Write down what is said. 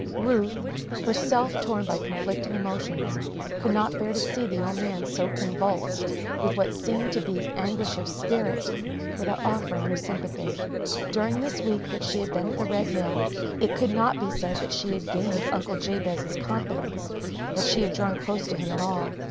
Ruth, herself torn by conflicting emotions, could not bear to see the old man so convulsed with what seemed to be anguish of spirit, without offering her sympathy. During this week that she had been at the Red Mill it could not be said that she had gained Uncle Jabez's confidence that she had drawn close to him at all.